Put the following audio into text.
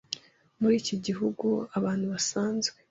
Muri iki gihugu, abantu basanzwe